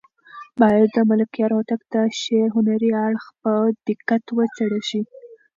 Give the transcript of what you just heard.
باید د ملکیار هوتک د شعر هنري اړخ په دقت وڅېړل شي.